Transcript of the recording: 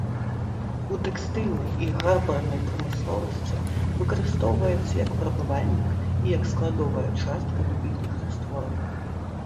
У тэкстыльнай і гарбарнай прамысловасці выкарыстоўваецца як фарбавальнік і як складовая частка дубільных раствораў.